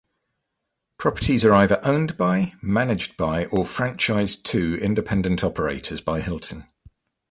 Properties are either owned by, managed by, or franchised to independent operators by Hilton.